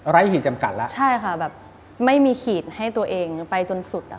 ขีดจำกัดแล้วใช่ค่ะแบบไม่มีขีดให้ตัวเองไปจนสุดอ่ะ